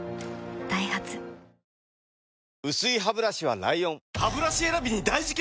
ダイハツ薄いハブラシは ＬＩＯＮハブラシ選びに大事件！